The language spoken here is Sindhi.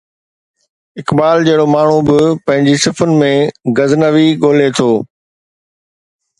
اقبال جهڙو ماڻهو به پنهنجي صفن ۾ غزنوي ڳولي ٿو.